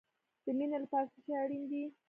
د مینې لپاره څه شی اړین دی؟